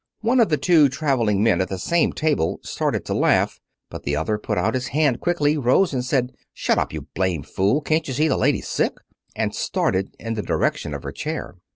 One of the two traveling men at the same table started to laugh, but the other put out his hand quickly, rose, and said, "Shut up, you blamed fool! Can't you see the lady's sick?" And started in the direction of her chair.